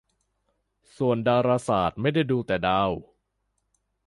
ส่วนดาราศาสตร์ไม่ได้ดูแต่ดาว